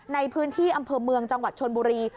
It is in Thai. ในพื้นที่อำเภอเมืองจังหวัดชนบุรี